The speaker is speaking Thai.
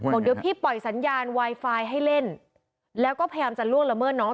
บอกเดี๋ยวพี่ปล่อยสัญญาณไวไฟให้เล่นแล้วก็พยายามจะล่วงละเมิดน้อง